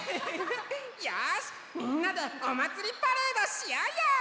よしみんなでおまつりパレードしようよ！